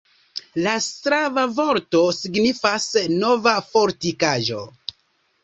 La slava vorto signifas Nova fortikaĵo.